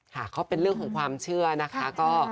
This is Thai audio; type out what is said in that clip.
ค่ะก็เป็นเรื่องของความเชื่อนะคะ